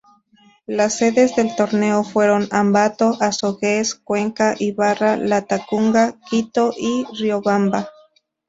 Las sedes del torneo fueron Ambato, Azogues, Cuenca, Ibarra, Latacunga, Quito y Riobamba.